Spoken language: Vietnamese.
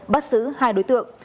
bắt giữ hai đối tượng